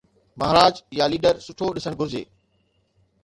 مهاراج يا ليڊر سٺو ڏسڻ گهرجي.